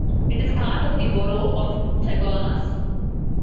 It is part of the Borough of Chaguanas.